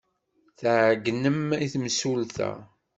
Tɛeyynem i temsulta.